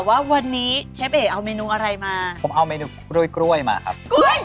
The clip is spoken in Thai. กล้วยหอมคาราเมลครับ